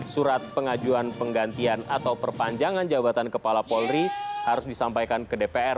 surat pengajuan penggantian atau perpanjangan jabatan kepala polri harus disampaikan ke dpr